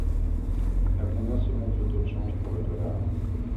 À combien se monte le taux de change pour le dollar ?